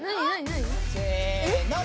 せの！